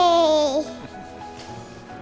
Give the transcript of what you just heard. pak aku pulang ke rumah papa kan